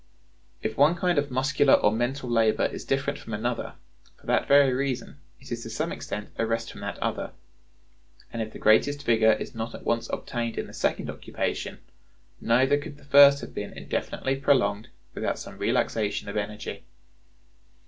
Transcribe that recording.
If one kind of muscular or mental labor is different from another, for that very reason it is to some extent a rest from that other; and if the greatest vigor is not at once obtained in the second occupation, neither could the first have been indefinitely prolonged without some relaxation of energy.